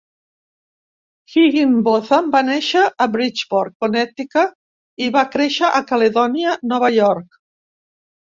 Higinbotham va néixer a Bridgeport, Connecticut, i va créixer a Caledonia, Nova York.